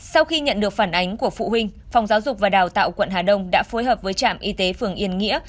sau khi nhận được phản ánh của phụ huynh phòng giáo dục và đào tạo quận hà đông đã phối hợp với trạm y tế phường yên nghĩa